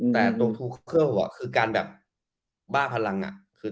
แต่ตัวทูคเคิลคือการแบบบ้าพลัง